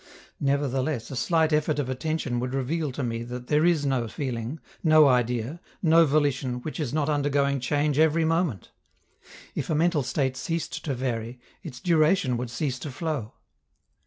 Nevertheless, a slight effort of attention would reveal to me that there is no feeling, no idea, no volition which is not undergoing change every moment: if a mental state ceased to vary, its duration would cease to flow.